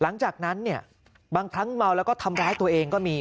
หลังจากนั้นเนี่ยบางครั้งเมาแล้วก็ทำร้ายตัวเองก็มี